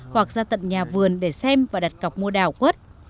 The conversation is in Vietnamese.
hoặc ra tận nhà vườn để xem và đặt cọc mua đào quất